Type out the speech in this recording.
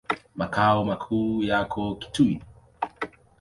Makao makuu yako Kitui.